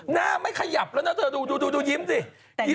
หน้าไม่ขยับแล้วนะเธอดูยิ้มสิ